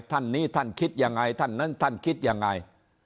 ท่านนี้ท่านคิดยังไงท่านนั้นท่านคิดยังไง